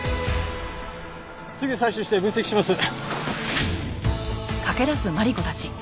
すぐに採取して分析します。